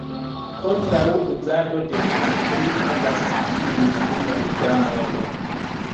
Kontraŭ uzado de ĝi oni pagas iun sumon da mono.